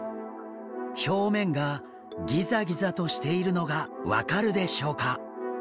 表面がギザギザとしているのが分かるでしょうか？